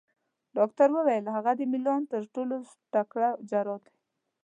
ډاکټر وویل: هغه د میلان تر ټولو تکړه جراح دی.